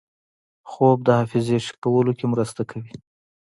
خوب د حافظې ښه کولو کې مرسته کوي